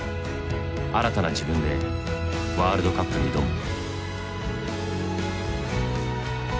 新たな自分でワールドカップに挑む。